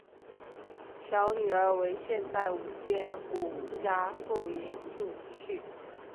小女儿为现代舞编舞家富野幸绪。